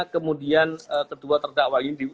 kemudian kedua terdakwani